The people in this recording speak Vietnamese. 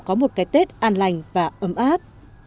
có một cái tết an lành và ấm át